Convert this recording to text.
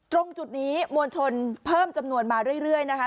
ตรงจุดนี้มวลชนเพิ่มจำนวนมาเรื่อยนะคะ